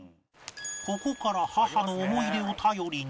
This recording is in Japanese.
ここから母の思い出を頼りに